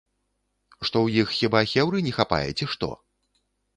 Што ў іх хіба хеўры не хапае, ці што?